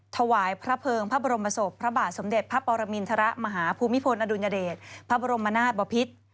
ถวายพระเภิงพระบรมศพพระบาทสมเด็จพระปรมินทรมาฮภูมิพลอดุลยเดชพระบรมนาศบพิษ